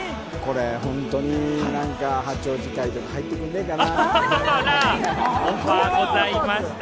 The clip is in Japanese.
これ本当に八王子会、入ってくんねえかな。